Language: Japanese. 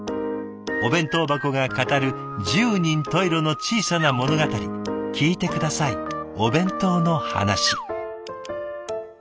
お弁当箱が語る十人十色の小さな物語聞いて下さい「おべんとうのはなし」。